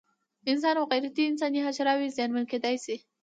انسان او غیر انساني حشراوې زیانمن کېدای شي.